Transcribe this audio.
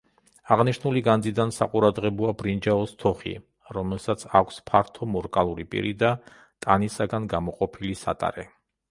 აღნიშნული განძიდან საყურადღებოა ბრინჯაოს თოხი, რომელსაც აქვს ფართო მორკალური პირი და ტანისაგან გამოყოფილი სატარე.